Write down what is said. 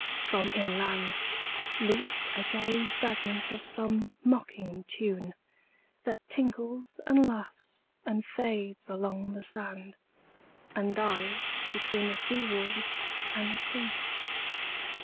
From inlandLeaps a gay fragment of some mocking tune, That tinkles and laughs and fades along the sand, And dies between the seawall and the sea.